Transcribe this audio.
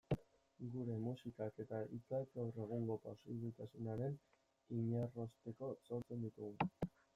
Gure musikak eta hitzak gaur egungo pasibotasunaren inarrosteko sortzen ditugu.